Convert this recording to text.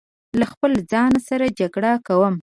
له خپل ځان سره جګړه کوم